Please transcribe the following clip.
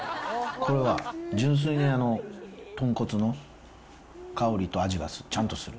これは純粋に豚骨の香りと味がする、ちゃんとする。